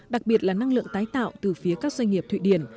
đặc biệt là năng lượng tái tạo từ phía các doanh nghiệp thụy điển